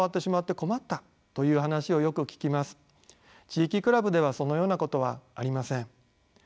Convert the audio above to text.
地域クラブではそのようなことはありません。